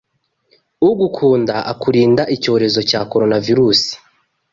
Ugukunda akurinda icyorezo cya coronavirusi